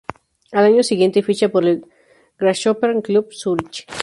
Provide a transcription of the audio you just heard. Al año siguiente ficha por el Grasshopper-Club Zürich.